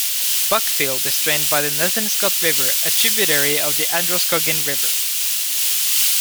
Buckfield is drained by the Nezinscot River, a tributary of the Androscoggin River.